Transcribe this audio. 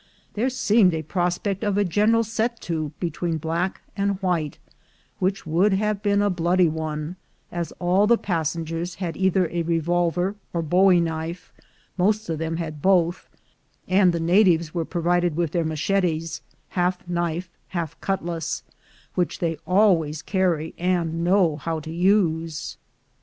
There seemed a pros pect of a general set to between black and white, which would have been a bloody one, as all the pas sengers had either a revolver or a bowie knife — most of them had both — and the natives were provided with their machetes — half knife, half cutlass — which they always carry, and know how to use.